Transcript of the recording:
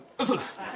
そうです。